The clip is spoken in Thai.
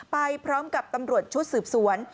ไปพร้อมกับตำรวจชุดสืบสวน